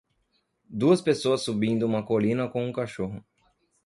Duas pessoas subindo uma colina com um cachorro.